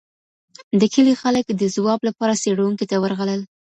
د کلي خلګ د ځواب لپاره څېړونکي ته ورغلل.